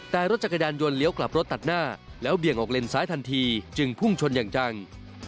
แต่รถจักรยานยนต์เลี้ยวกลับรถตัดหน้าแล้วเบี่ยงออกเลนซ้ายทันทีจึงพุ่งชนอย่างจัง